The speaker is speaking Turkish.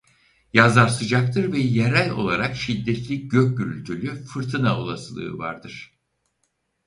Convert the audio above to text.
Yazlar sıcaktır ve yerel olarak şiddetli gök gürültülü fırtına olasılığı vardır.